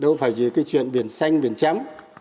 đâu phải chỉ cái chuyện biển xanh biển chấm